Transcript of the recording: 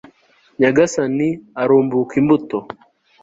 nyagasani, arumbuka imbuto